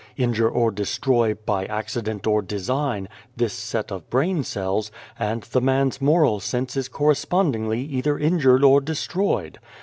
Injure or destroy, by acci dent or design, this set of brain cells, and The Face the man's moral sense is correspondingly either injured or destroyed.